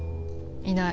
いない。